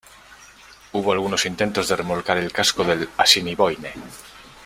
Hubo algunos intentos de remolcar el casco del "Assiniboine".